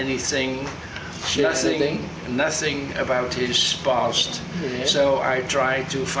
jadi saya mencari alamat ayah saya sendiri